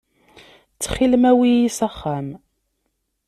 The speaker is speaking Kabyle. Ttxil-m awi-yi s axxam.